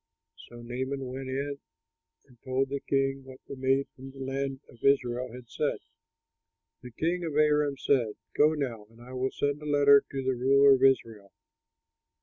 So Naaman went in and told the king what the maid from the land of Israel had said. The king of Aram said, "Go now, and I will send a letter to the ruler of Israel."